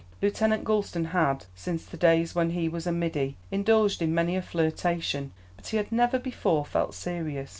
Lieutenant Gulston had, since the days when he was a middy, indulged in many a flirtation, but he had never before felt serious.